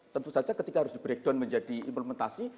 tentu saja ketika harus di breakdown menjadi implementasi